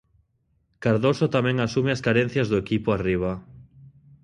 Cardoso tamén asume as carencias do equipo arriba...